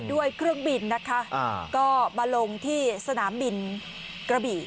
ด้วยเครื่องบินนะคะก็มาลงที่สนามบินกระบี่